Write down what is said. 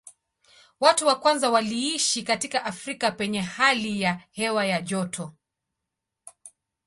Watu wa kwanza waliishi katika Afrika penye hali ya hewa ya joto.